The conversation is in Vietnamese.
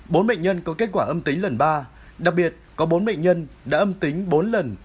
bốn bệnh nhân có kết quả âm tính lần ba đặc biệt có bốn bệnh nhân đã âm tính bốn lần